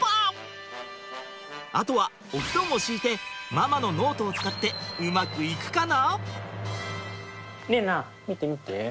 あとはお布団を敷いてママのノートを使ってうまくいくかな？